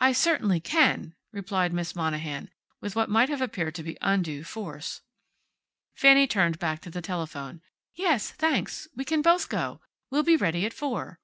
"I certainly CAN," replied Miss Monahan, with what might have appeared to be undue force. Fanny turned back to the telephone. "Yes, thanks. We can both go. We'll be ready at four."